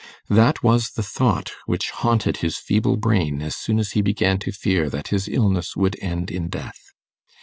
That was the thought which haunted his feeble brain as soon as he began to fear that his illness would end in death.